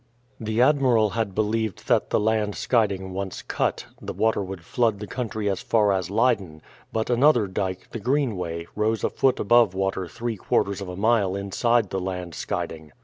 The admiral had believed that the Land Scheiding once cut, the water would flood the country as far as Leyden, but another dyke, the Greenway, rose a foot above water three quarters of a mile inside the Land Scheiding.